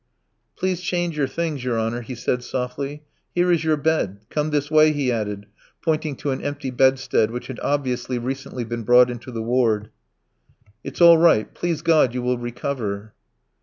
"Please change your things, your honour," he said softly. "Here is your bed; come this way," he added, pointing to an empty bedstead which had obviously recently been brought into the ward. "It's all right; please God, you will recover."